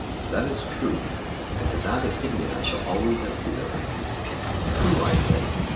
That is true; and to that opinion I shall always adhere. True, I said.